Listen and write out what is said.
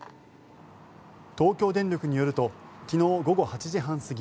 東京電力によると昨日午後８時半過ぎ